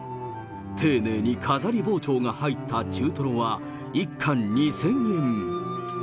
丁寧に飾り包丁が入った中トロは、１貫２０００円。